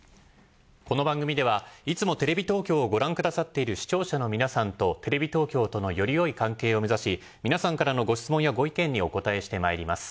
この番組ではいつもテレビ東京をご覧くださっている視聴者の皆さんとテレビ東京とのよりよい関係を目指し皆さんからのご質問やご意見にお答えしてまいります。